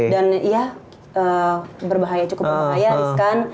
dan ya cukup berbahaya